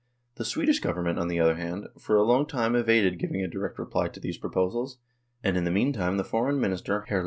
The Swedish Government, on the other hand, for a long time evaded giving a direct reply to these proposals, and in the mean time the Foreign Minister, Hr.